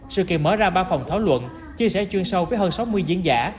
sự kiện mở ra ba phòng thảo luận chia sẻ chuyên sâu với hơn sáu mươi diễn giả